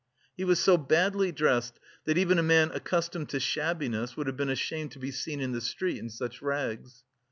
He was so badly dressed that even a man accustomed to shabbiness would have been ashamed to be seen in the street in such rags.